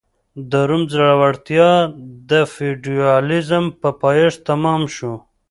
د روم ځوړتیا د فیوډالېزم په پایښت تمام شو